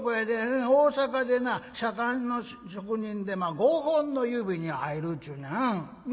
大阪でな左官の職人で５本の指に入るっちゅうねん。